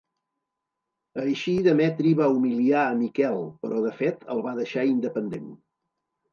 Així Demetri va humiliar a Miquel però de fet el va deixar independent.